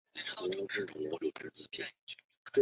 他的党籍是共和党。